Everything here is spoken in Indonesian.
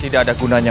tidak ada gunanya